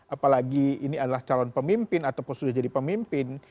apalagi ini adalah calon pemimpin ataupun sudah jadi pemimpin